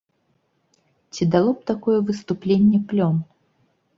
Ці дало б такое выступленне плён?